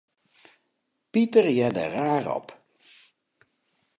Piter hearde raar op.